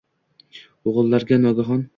O‘g‘illarga nogohon